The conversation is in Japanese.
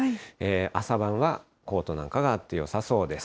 朝晩はコートなんかがあるとよさそうです。